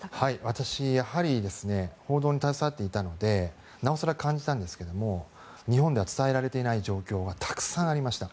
私、やはり報道に携わっていたのでなおさら感じたんですけれども日本では伝えられていない状況はたくさんありました。